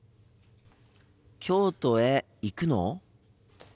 京都へ行くの？